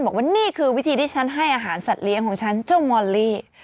บอกว่านี่คือวิธีที่ฉันให้อาหารสัตว์เลี้ยงของฉันเจ้ามอลลี่